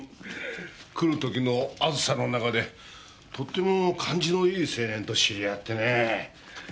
来る時のあずさの中でとっても感じのいい青年と知り合ってねえ。